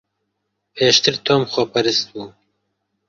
پێشتر تۆم خۆپەرست بوو.